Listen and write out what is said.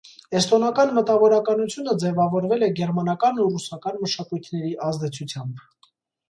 Էստոնական մտավորականությունը ձևավորվել է գերմանական ու ռուսական մշակույթների ազդեցությամբ։